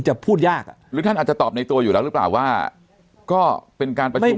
พูดยากอ่ะหรือท่านอาจจะตอบในตัวอยู่แล้วหรือเปล่าว่าก็เป็นการประชุม